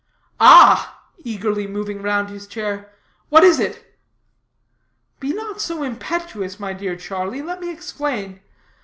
"Ah!" eagerly moving round his chair, "what is it?" "Be not so impetuous, my dear Charlie. Let me explain.